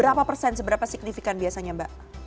berapa persen seberapa signifikan biasanya mbak